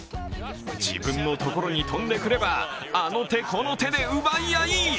自分のところに飛んでくればあの手この手で奪い合い。